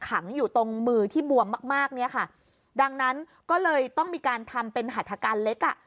ขังอยู่ตรงมือที่บวมมากมากเนี้ยค่ะดังนั้นก็เลยต้องมีการทำเป็นหัฐการเล็กอ่ะ